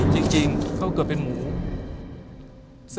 จริงเขาเกิดเป็นหมู